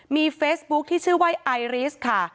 มีเฟซบุ๊คที่ชื่อว่าไอริสค่ะ